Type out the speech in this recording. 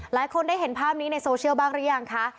หลายคนได้เห็นภาพนี้ในโซเชียลบ้างหรือยังคะ